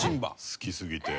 好きすぎて。